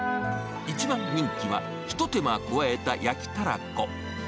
一番人気は、ひと手間加えた焼きたらこ。